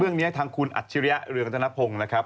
เรื่องนี้ทางคุณอัจฉริยะเรืองรัตนพงศ์นะครับ